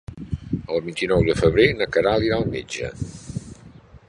El vint-i-nou de febrer na Queralt irà al metge.